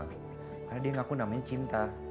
karena dia ngaku namanya cinta